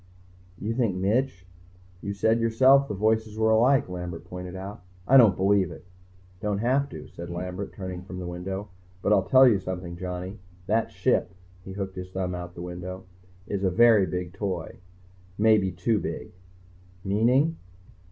_ "You think Mitch " "You said yourself the voices were alike." Lambert pointed out. "I don't believe it." "Don't have to," said Lambert, turning from the window. "But I'll tell you something, Johnny. That Ship " he hooked his thumb out the window "is a very big toy. Maybe too big." "Meaning?"